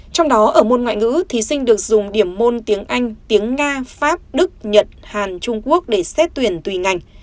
trong đó ở môn ngoại ngữ thí sinh được dùng điểm môn tiếng anh tiếng nga pháp đức nhật hàn trung quốc để xét tuyển tùy ngành